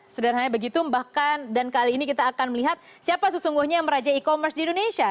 sederhananya begitu bahkan dan kali ini kita akan melihat siapa sesungguhnya yang merajai e commerce di indonesia